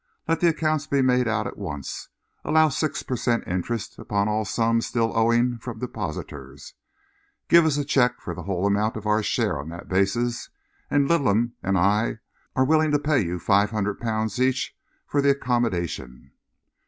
Let the accounts be made out at once, allow six per cent interest upon all sums still owing from depositors, give us a cheque for the whole amount of our shares on that basis, and Littleham and I are willing to pay you five hundred pounds each for the accommodation."